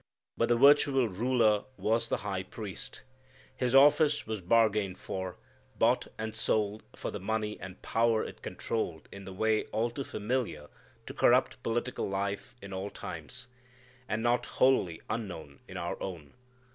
But the virtual ruler was the high priest. His office was bargained for, bought and sold for the money and power it controlled in the way all too familiar to corrupt political life in all times, and not wholly unknown in our own.